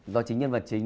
do chính nhân vật chính